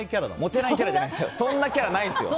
そんなキャラないですよ！